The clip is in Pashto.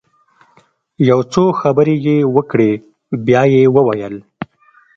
يو څو خبرې يې وکړې بيا يې وويل.